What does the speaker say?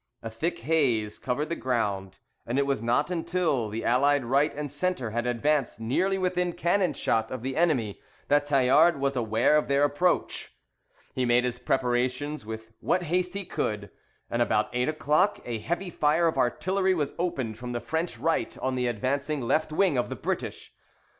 A thick haze covered the ground, and it was not until the allied right and centre had advanced nearly within cannon shot of the enemy that Tallard was aware of their approach. He made his preparations with what haste he could, and about eight o'clock a heavy fire of artillery was opened from the French right on the advancing left wing of the British.